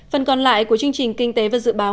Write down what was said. phần còn lại của chương trình kinh tế và dự báo